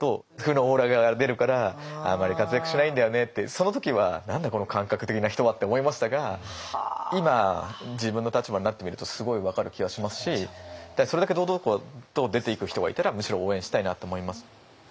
その時は「何だこの感覚的な人は」って思いましたが今自分の立場になってみるとすごい分かる気がしますしそれだけ堂々と出ていく人がいたらむしろ応援したいなと思います。